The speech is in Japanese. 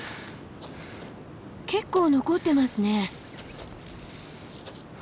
結構残ってますね。